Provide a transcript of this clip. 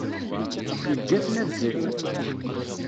Yeǧǧa-ten ad zrin.